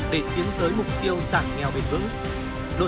để tiến tới mục tiêu giảm nghèo